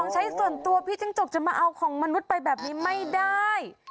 ใช้ส่วนตัวพี่จิ้งจกจะมาเอาของมนุษย์ไปแบบนี้ไม่ได้